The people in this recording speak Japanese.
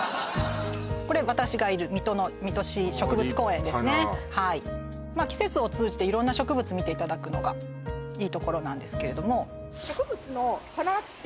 これ私がいる水戸の水戸市植物公園ですねはい季節を通じて色んな植物見ていただくのがいいところなんですけれどもホントに素敵な水戸すごいね